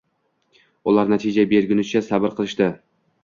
Ular natija bergunicha sabr qilishdi